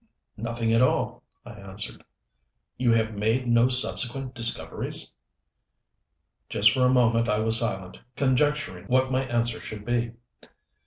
"Nothing at all," I answered. "You have made no subsequent discoveries?" Just for a moment I was silent, conjecturing what my answer should be.